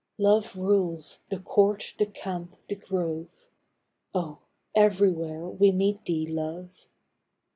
Love rules " the court, the camp, the grove " Oh, everywhere we meet thee, Love